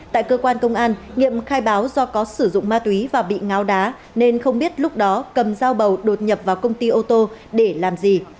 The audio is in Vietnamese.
tại cơ quan công an nghiệm khai báo do có sử dụng ma túy và bị ngáo đá nên không biết lúc đó cầm dao bầu đột nhập vào công ty ô tô để làm gì